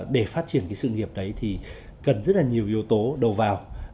để phát triển sự nghiệp đấy thì cần rất nhiều yếu tố đầu vào